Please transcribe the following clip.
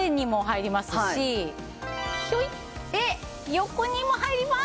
横にも入ります！